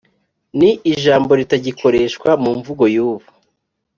ni ijambo ritagikoreshwa mu mvugo y’ubu